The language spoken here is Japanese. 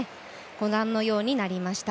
ご覧のようになりました。